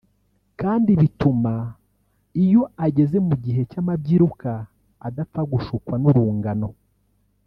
kandi bituma iyo ageze mu gihe cy’amabyiruka adapfa gushukwa n’urungano